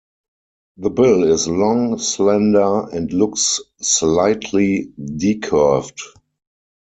The bill is long, slender, and looks slightly decurved.